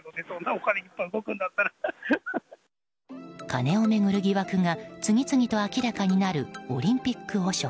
金を巡る疑惑が次々と明らかになるオリンピック汚職。